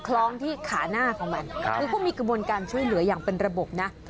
คล้องที่ขาหน้าของมันคือเขามีกระบวนการช่วยเหลืออย่างเป็นระบบนะ